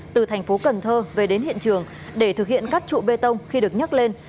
từ thành phố cần thơ về đến hiện trường để thực hiện các trụ bê tông khi được nhắc lên